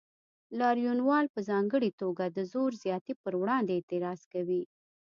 لاریونوال په ځانګړې توګه د زور زیاتي پر وړاندې اعتراض کوي.